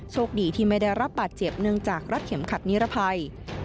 โชคดีที่ไม่ได้รับบาดเจ็บเนื่องจากรัดเข็มขัดนิรภัย